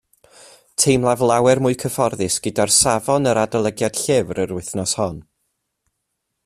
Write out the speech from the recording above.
Teimlaf lawer mwy cyfforddus gyda safon yr adolygiad llyfr yr wythnos hon